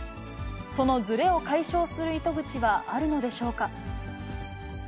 そのずれを解消する糸口はあるのでしょうか。